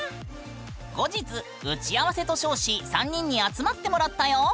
後日打合せと称し３人に集まってもらったよ。